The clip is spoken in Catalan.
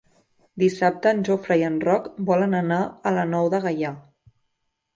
Dissabte en Jofre i en Roc volen anar a la Nou de Gaià.